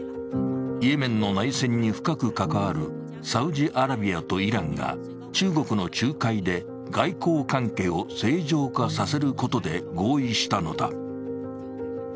イエメンの内戦に深く関わるサウジアラビアとイランが中国の仲介で外交関係を正常化させることで合意したのだ。